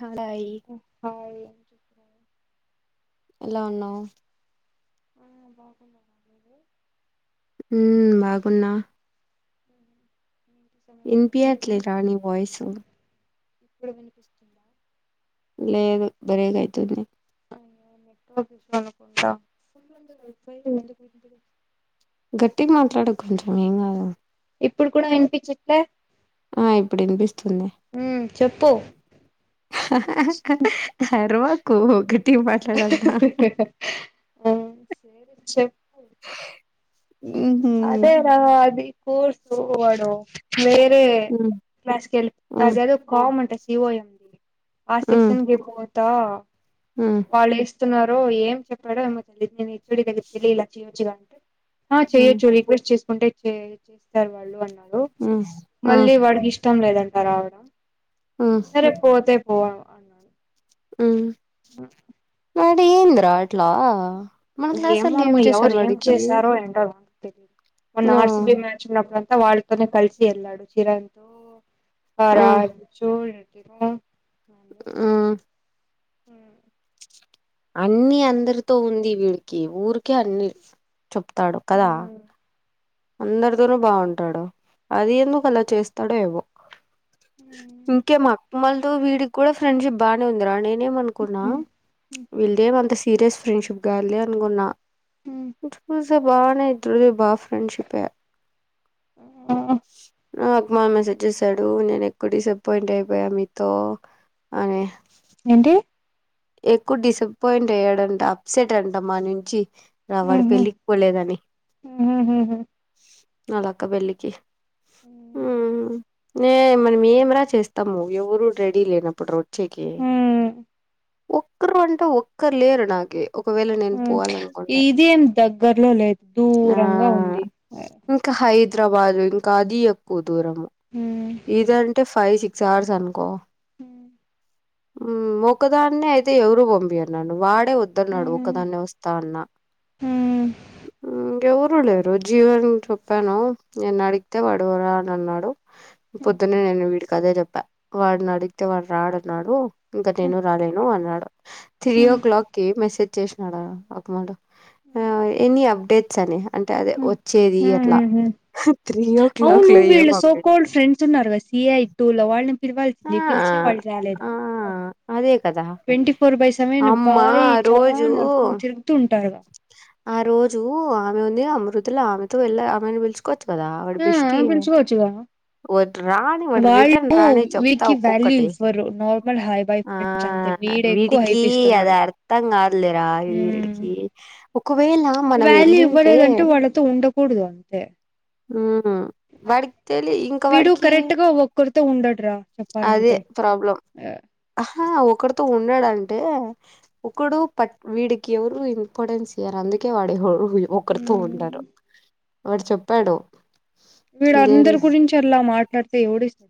Hi hi ఎలా ఉన్నావు ఆ బాగున్నారా మీరు ఉ బాగున్నా హు వినిపియ్యట్లేదా నీ వాయిస్ ఇప్పుడు వినిపిస్తుందా లేదు బరేగయితుందింది [unintelligible] గట్టి మాట్లాడ కొంచం [unintelligible] ఇప్పుడు కూడా వినిపించెట్లే ఆ ఇప్పుడు వినిపిస్తుంది ఉమ్ చెప్పు అర్వాకు గటి మాట్లాడ ఆ సరి చెప్ప ఉహు అదే రా అది స్ర్స్ వాడు వేరే ఉమ్ క్లాస్ వేల్ ఉమ్ అది ఏదో కామ్అంటే సిఓఎడి ఆ ఉమ్ సెక్షన్కి పోతా ఉమ్ వాళ్ళుస్తున్నారో ఏం చెప్పాడో ఏమో తెలియదు నేను ఈ చుడి దగ్గర తెలియ చ్చియోచిగా అంటే ఆ చెయ్యొ ఉమ్ రిక్వెస్ట్ చేసుకుంటే చేస్తారు వాళ్ళు అన్నా ఉమ్ ఉమ్ మళ్ళీ వాడికి ఇష్టం లేదు డా ఉమ్ సరే పోతే పోవ అన్నారు ఉ ఆ వాడు ఏందరా అట్లా మన క్లాసోళ్ళు ఏం ఏమమ్మ చేశారు ఎవరు ఏం వాడికి చేసారో ఎన్డు మ ఆ ఆర్సిబి మ్యాచ్ ఉన్నప్పుడుంతా వాళ్ళతోనే కలిసి వెళ్ళాడు చిరతు ఆ రాజో [unintelligible] ఉ ఉమ్ అన్ని అందరితో ఉంది వీడికి ఊరికే అన్ని చెప్తాడు కదా అందరితోనూ బాగుంటాడు అది ఎందుకు అలా చేస్తాడో ఏవో ఉ ఇంకే మా అప్పమలతో వీడికి కూడా ఫ్రెండ్షిప్ బాగానే ఉందిరా నేనేమనుకున్నా హ్మ్ వీళ్ళేం అంత సీరియస్ ఫ్రెండ్షిప్ గా వెళ్ద అనుకున్నా బాగా ఇ బాగా ఫ్రెండ్షిపే హ్మ్ అగమాన్ మెసేజ్ చేశాడు నేను ఎక్కువ డిసప్పాయింట్ అయిపోయా మీతో అని ఏంటి ఎక్కువ డిసప్పాయింట్ అయ్యాడంట అప్సెట్ అంట మా నుంచి రావాడి ఉహు పెళ్ళికి పోలేదని ఉహుహుహు వాళ్ళ అక్క పెళ్లికి ఉ నే మన మీ ఏమి రా చేస్తాము ఎవరు రెడీ లేనప్పుడు వచ్చేకి ఒక్కరు అంటే ఒక్కరు లేరు నాకే ఒకవేళ నేను ఉమ్ పోవాలనుకుంటా ఇది ఏం దగ్గరలో లేదు ఆ దూరంగా ఉంది ఇంకా హ హైదరాబాద్ ఇంకా అది ఎక్కువ దూరము ఉమ్ ఇదంటే ఫైవ్ సిక్స్ అవర్స్ అనుకో ఉ ఉ ముక్కదాన్న అయితే ఎవరు పూబుది కాదు నాను వాడే వద్దన్నాడు ఉమ్ ఒకదాన్నే వస్తా అన్నా ఉమ్ ఉ ఎవరు లేరు జీవన్ చప్పాను నేను అడిగితే వాడువరా అని అన్నాడు పొద్దున్నే నేను వీడికి అదే చెప్పా వాడిని అడిగితే వాడు రాడన్నాడు ఇంకా నేను రాలేను అన్నాడు త్రీ ఓ క్లాక్ కి మెసేజ్ చేసినాడు ఒకమడు ఆ ఎనీ అప్డేట్స్ అని అంటే అదే వచ్చేది ఎట్లా ఉహు అవును విళ్ళు సో కాల్డ్ ఫ్రెండ్స్ ఉన్నారు గా సియ తు లా వాళ్ళని ఆ పిలవాల్సింది పిలిచిన వాళ్ళు రాలేదా ఆ అదే కదా ట్వంటీ ఫోర్ బై సెవెన్ అమ్మ బాయ్ ఆ రోజు జాన్ అటుకొని తిరుగుతూ ఉంటారుగా ఆ రోజు ఆమె ఉంది అమృతుల ఆమెతో వెళ్ళ ఆమెను పిలుచుకొ కదా వాడు ఆ బెష్టి పిలుచుకోవచ్చుగా ఒట్ రాని వాడు వాళ్ళు రిటర్న్ రాని చెప్తా వీడికి వాల్యూ ఒక్కొక్కటి ఇవ్వరు నార్మల్ హాయ్ బాయ్ ఆ ఫ్రెండ్స్ అంతే వీడే ఎక్కువ విడికి హైప్ ఇస్తున్నాడు అదర్థం కాదులే రా హ్మ్ విడికి ఒకవేళ మనం వాల్యూ వెళ్ళింటే ఇవ్వలేదంటే వాళ్ళతో ఉండకూడదు అంతే ఉ వీడు కరెక్ట్గా ఒక్కరితో ఉండడురా చెప్పాలంటే య ఆ ఒకరితో ఉన్నడుంటే ఒకడు పట్ వీడికి ఎవరు ఇంపార్టెన్స్ ఇయరు అందుకే వాడు ఒకరితో ఉండరు హ్మ్. వాడు చెప్పాడు ఇదేం వీడందరి గురించి అలా మాట్లాడితే ఎవడిస్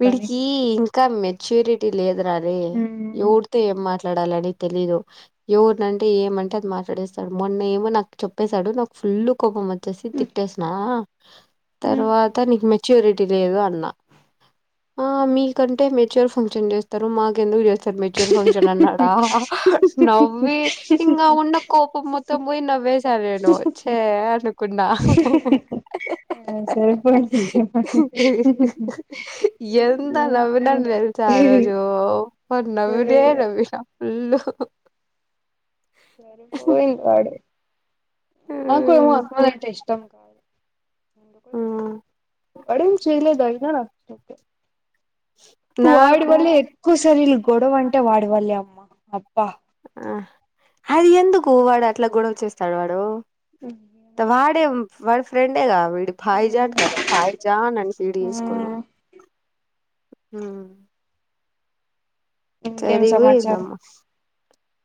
వీడికి ఇంకా మెచ్యూరిటీ లేదురా రే హ్మ్. ఎవరితో ఏం మాట్ల మాట్లాడాలని తెలీదు ఎవరినంటే ఏమంటే అది మాట్లాడేస్తాడు మొన్న ఏమో నాకు చెప్పేసాడు నాకు ఫుల్లు కోపం వ వచ్చేసి హ్మ్. తిట్టేసిన హ్మ్. తర్వాత నీకు మెచ్యూరిటీ లేదు అన్న ఆ హ్మ్. మీకంటే మెచ్యుర్ ఫంక్షన్ చేస్తారు మాకెందుకు చేస్ మెచ్యూర్ ఫంక్షన్ అన్నాడా నవ్వి ఇంగ ఉన్న కోపం మొత్తం పోయి నవ్వి వేేశా నేను చ్చ అనుకున్నా ఆ సరిపోయింది ఎంత నవ్వినాను తెల్సా ఆరోజు ప నవ్వినే నవ్విన ఫుల్లు సరిపోయిండు వాడు నాకు ఎమో హ్మ్ ఆ పూలు అంటే ఇష్టం వాడు హ్మ్ ఏం చేయలేదు అయిన నాకు నాకు వాడివళ్లే ఎక్కువ సరిలు గొడవ అంటే వాడివళ్లే అమ్మ అబ్బ హది ఎందు కువ వాడు అట్లా గొడవ చేస్తాడు వాడు వాడే వాడు ఫ్రెండేగా విడి పై జాన్ కదా పై జాన్ అని ఫీడ్ చేసుకున్నా మ్మ్ ఉ ఇంకేం సమాచారం సరిపోయిందమ్మా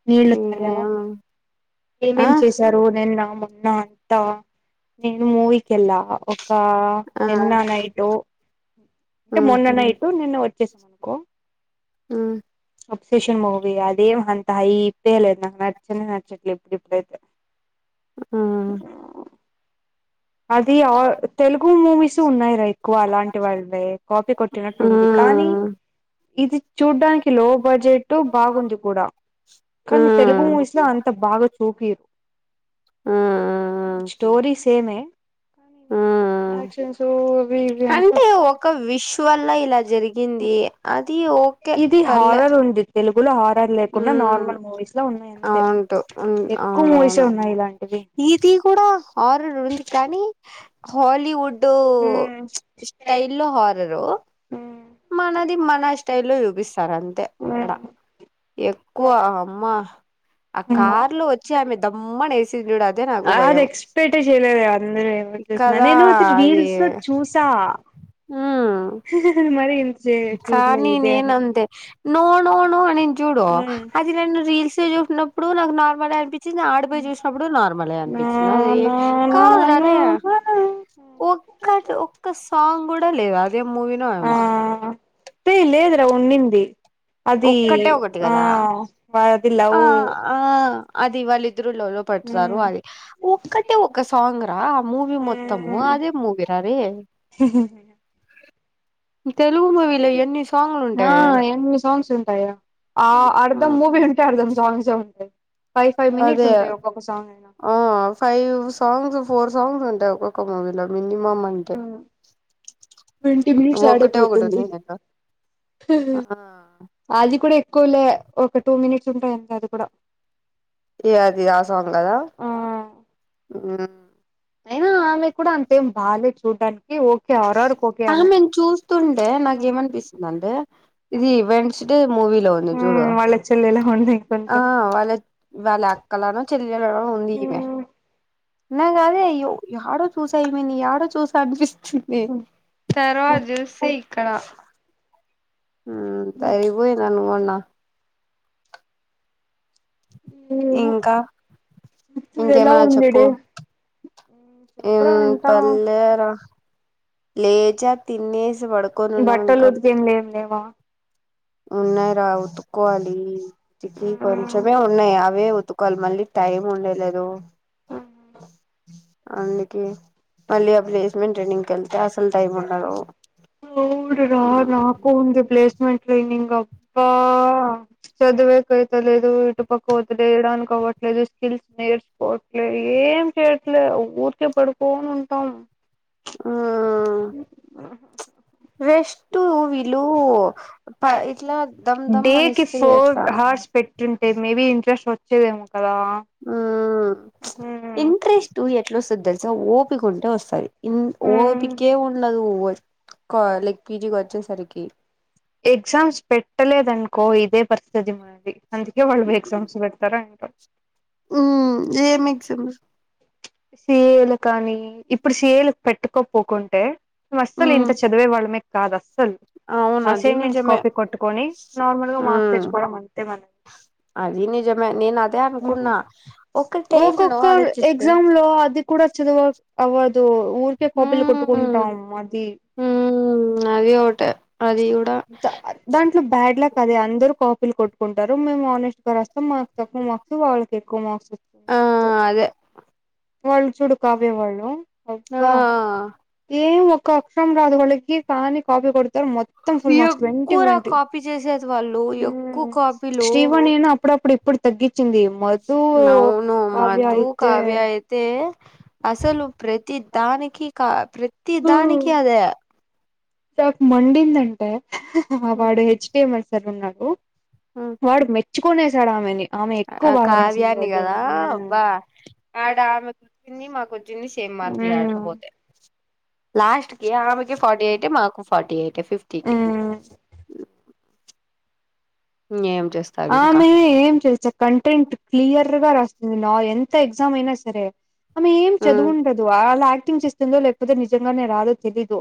నీళ్లు తగావా ఏం ఆ ఏమేం చేశారు నేను నామ నిన్న అంతా నేను మూవికి ఎల్లవ కా ఆ నిన్న నైటు అంటే మ్మ్ మొన్న నైటు నిన్న వ చ్చేసాం అనుకో ఉ అప్సేషన్ మూవీ అదేం అంత హై ప్పే లేదు నాకు నచ్చనే నచ్చట్లే ఇప్పుడు ఇప్పుడైతే మ్మ్ అది ఆ తెలుగు మూవీస్ ఉన్నాయిరా ఎక్కువ అలాంటి వాళ్ళే కాపీ కొట్టినట్టు మ్మ్ ఉంది కానీ మ్మ్ ఇది చూడ్డానికి లో బడ్జెట్ బాగుంది కూడా కానీ తెలుగు మ్మ్ మ్మ్ మూవీస్ లో అంత బాగా చూపియరు స్టోరి సేమే ఆక్షన్స్ అంటే ఒక విశ్వల్లా ఇలా జరిగింది అది ఓకే పర్లే గులు హారాల్ లేకుండా ఉమ్ నార్మల్ మూవీస్ లో ఉన్నాయంతే అవుంటు ఉమ్ ఎక్కువ మూవీసే అవునవును ఉన్నాయి ఇలాంటివి ఇది కూడా హార్రర్ ఉంది కానీ హాలీవుడ్ టు స్టైల్ లో హారరు మనది మన స్టైల్లో చూపిస్తారు అంతే ఆడ ఎక్కువ అమ్మా ఆ కార్లో వచ్చి ఆమె దమ్మని వేసి చూడు అదే నాకు అది భయం ఎక్స్పెక్ట్ చేయలేదే అందరు ఏమో చూస్తున్నా కదా నేను అది రీల్స్లో చూసా ఉమ్ మ కానీ నేనంతే నో నో నో అనింది చూడు నా అది నేను రీల్స్లో చూసినప్పు ఇప్పుడు నాకు నార్మలే అనిపించింది ఆడిపోయి చూసినప్పుడు నార్మలే అనిపించింది అదే నా నా కాదు రా నా అదే ఒక్క ఒక్క సాంగ్ కూడా లేదు అదేం మూవీనో ఏమో ఏ లేదురా ఉండింది అది ఒక్కటే ఒకటి ఆ కదా అది ఆ లవ్ ఆ అది వాళ్ళిద్దరు లవ్లో పడతారు అది ఒక్కటే ఒక్క సాంగ్ రా ఆ మూవీ మొత్తము అదేం మూవీరా అరే సాంగ్లు ఆ ఉంటాయి ఎన్ని సాంగ్స్ ఉంటాయో ఆ అర్ధం మూవీ ఉంటె అర్ధం సాంగ్స్ ఉంటయి అదే అయినా ఆ ఫైవ్ సాంగ్స్ ఫోర్ సాంగ్స్ ఉంటాయి ఒక్కొక్క మూవీలో మినిమమ్ అంటే ట్వంటీ మినట్స్ ఒక్కటే ఒకటి ఆడేపోతుంది ఉంది కదా ఆ ఆది కూడ ఎక్కువ లే ఒకటె మినిట్ ఉంటయంట అది కూడా ఇగ అది ఆ సాంగ్ కదా అయిన ఆమె కూడా అంతేం బాగాలేదు చూడ్డానికి ఓకే ఆరరకు ఓకే అమె ఆమెను చూస్తుంటే నాకేమనిపిస్తుందంటే ఇది వెడ్నెస్డే మూవీలో ఉంది చూడు మ్మ్ వాళ్ళ చెల్లెలా ఉంది ఆ కొంచెం వాళ్ళ వాళ్ళ అక్కలానో చెల్లెలానో ఉంది ఈమె నాకదే ఎడో చూసా ఈమెని ఎడో చూసా అనిపిస్త తర్వాత చూసి ఇక్కడ తరిగిపోయిందనుకున్నా ఏమో ఇంకా ఇప్పుడు ఎలా ఇంకేమన్న చెప్పు ఉందిడే చెప్పరా ఉమ్ వింటా పర్లే రా లేచా తినేసి పడుకొని ఉన్నమింక బట్టలు ఉతికేం లేం లేవా ఉన్నయిరా ఉతుక్కోవాలి ఇప్పుడు కొంచెమే ఉన్నాయి అవే ఉతుకోవాలి మళ్ళీ టైమ్ ఉండలేదు ఉమ్ అందుకే మళ్ళీ ఆ ప్లేస్మెంట్ ట్రైనింగ్ కి వెళ్తే అసలు టైం ఉండదు అవును రా [unintelligible] ప్లేస్మెంట్ ట్రైనింగ్ అబ్బా చదువే [unintelligible] కావట్లేదు స్కిల్స్ నేర్చుకోవట్లేదు ఏం చేయట్లేదు ఊరికే పడుకోని ఉంటా [inaudible] మ్మ్ ఆ రెస్ట్ వీళ్ళు ఇట్లా దమ్ దమ్ అని ఇస్తే ఎట్లా ట్ంటే మేబీ ఇంట్రెస్ట్ వచ్చ [unintelligible] ఉం చ్ ఇంట్రెస్ట్ ఎట్లా వస్తదో తెలుస ఓపిక ఉంటే వస్తది ఓపికే ఉ ఉండదు వ క లైక్ పీజీకి వచ్చేసరికి ఎక్సామ్స్ పెట్టలేదను కో ఇదే పరిస్తితి మాది అందుకే వాళ్ళు ఎగ్జామ్స్ పెడతారు అంటుంది ఉం ఏమ్ ఎగ్జామ్స్ సిఏలు కానీ ఇప్పుడు సిఏలు పెట్టుకోపోకుంటే మే అస్సలు ఇంత హ్మ్ చదివే వాళ్ళమే కాదు అస్సలు అవును అది అసైన్మెంట్స్ నిజమే కాపీ కొట్టుకొని నార్మల్ గా మార్క్స్ హ్మ్ తెచ్చుకోవడం అంతే మనం అది నిజమే నేను అదే అనుకున్నా ఒక టైమ్ లో ఒక్కొక్క ఆలోచిస్తే ఎగ్జామ్ లో అది కూడా చదువ అవ్వదు దు ఊరికే కాపీలు హ్మ్ కొట్టుకుంటాం అది హ్మ్ అది ఒకటే అది కూడా దాంట్లో బ్యాడ్ లక్ అదే అందరు కో పీలు కొట్టుకుంటారు మేము ఆనేస్ట్గా రాస్తాం మాకు తక్కువ మార్క్స్ వాళ్ళకి ఎక్కువ మార్క్స్ ఆ అంతే అదే వాళ్ళు చుడు కావ్య వాళ్ళు ఆ అబ్బా ఏం ఒక్క అక్షరం రాదు వాళ్కి కాని కాపీ కొడుతు మొత్తం ఫుల్ మార్స్ ట్వంటీ ఎక్కువర ట్వంటీ కాపీ చేసేది వాళ్ళు ఎక్కువ ఉం కాపీలు శ్రీవని అని అప్పుడుప్పుడు నవును కావ్య మధు అయితే కావ్య అయితే అసలు ప్రతి దానికి కా ప్రతి దానిక అదే నాకు మండిందంటే వాడు హెచ్డఎంఎ సార్ ఉన్నాడు వాడుకి మెచ్చుకునేసాడు ఆమెని ఆమె ఎక్కువ బాగ రాసి కావ్యాని కదా అబ్బా న్ని సేమ్ మార్క్లు ఆట పోతే [unintelligible] లాస్ట్ కి ఆమెక ఫార్టీ ఎయిట్ యే మాకు ఫార్టీ ఎయిట్ యే ఫిఫ్టీకి ఉమ్ ఏమ్ ఆమె ఏం చేసా కంటెంట్ క్లియర్ గా రాస్తుంది నా ఎంత ఎగ్జామ్ అయినా సరే ఆమె ఏం చదువు ఉమ్ ఉండదు అలా యాక్టింగ్ చేస్తుందో లేకపోతే నిజంగానే రాదో తెలీదు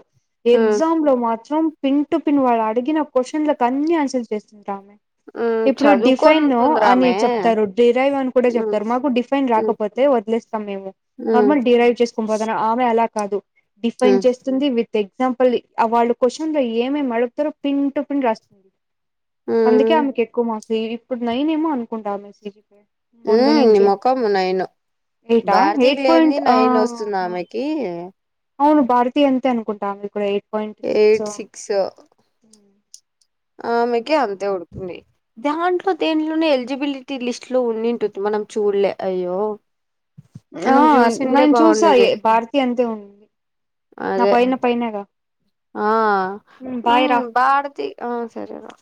ఉమ్ ఎగ్జామ్ లో మాత్రం పింటు పిన్ వాళ్ళు అడిగిన క్వశ్చన్లలకు అన్ని ఆన్సర్ చేస్తుంటామె ఉం ఇప్పుడు డిఫైన్ అని చెప్తారు డిరైవ్ అని కూడా ఉమ్ చెప్తారు మాకు డిఫైన్ ఉమ్ రాకపోతే వదిలేస్తాం మేము ఉమ్ నార్మల్ డిరైవ్ చేసుకుని ఆమె అలా కాదు డిఫైన్ ఉమ్ చేస్తుంది విత్ ఎగ్జాంపుల్ వాళ్ళు క్వశ్చన్ లో ఏమేమి అడుగుతారో పిన్ టు పిన్ రాస్తు ఉమ్ అందుకే ఆమెకు ఎక్కువ మాసీ ఇప్పుడు నైనే ఏమో అనుకుంటా మేసజ [unintelligible] ముందు ఉమ్ నీ నుంచి మొఖం నైన్ ఎయిటా భారతికి ఎయిట్ పాయింట్ లేనిది ఆ నైన్ వస్తుంది ఆమెకి అవును భారతీ అంతే అనుకుంటాము ఇప్పుడు ఎయిట్ సిక్స్ ఆమెకి అంతే ఉంటుంది దాంట్లో దేంట్లోనే ఎలిజిబిలిటీ లిస్ట్ లో ఉండింటుంది మనం చూడలే అయ్యో ఆ మనం చూసింటే నేను చూసా బాగుండేది ఏ భారతి అంతే ఉంది నా అదే పైన పైనేగా ఆ ఉం బాయ్ రా భారతి ఆ సరే రా